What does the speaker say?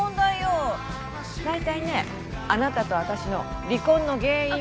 大体ねあなたと私の離婚の原因は。